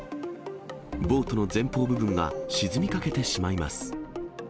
ボートの前方部分が沈みかけてしまいます。